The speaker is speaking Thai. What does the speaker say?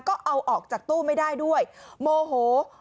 ก็เอาออกจากตู้ไม่ได้ด้วยโมโห